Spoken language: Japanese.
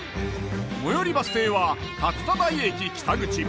最寄りバス停は勝田台駅北口。